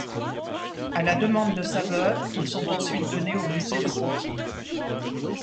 À la demande de sa veuve, ils sont ensuite donnés au musée de Brooklyn.